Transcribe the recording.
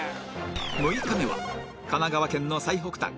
６日目は神奈川県の最北端